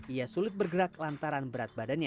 ia sulit bergerak lantaran berat badannya